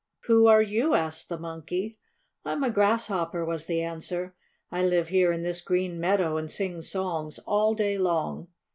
"Who are you?" asked the Monkey. "I'm a Grasshopper," was the answer. "I live here in this green meadow and sing songs all day long."